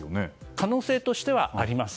可能性としてはあります。